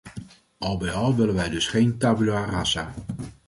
Al bij al willen wij dus geen tabula rasa .